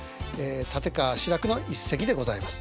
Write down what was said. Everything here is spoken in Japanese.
立川志らくの一席でございます。